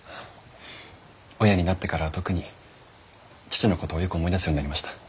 親になってからは特に父のことをよく思い出すようになりました。